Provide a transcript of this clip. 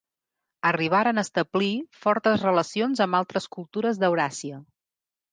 Arribaren a establir fortes relacions amb altres cultures d'Euràsia.